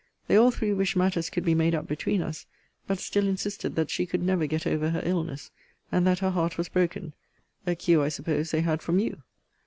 They all three wished matters could be made up between us: but still insisted that she could never get over her illness; and that her heart was broken. A cue, I suppose, they had from you.